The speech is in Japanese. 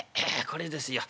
これですよ。